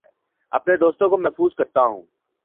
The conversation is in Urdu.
اپنے دوستوں کو محظوظ کرتا ہوں